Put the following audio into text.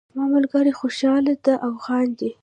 زما ملګری خوشحاله دهاو خاندي